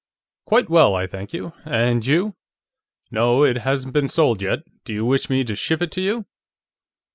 Quite well, I thank you. And you?... No, it hasn't been sold yet. Do you wish me to ship it to you?...